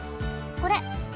これ。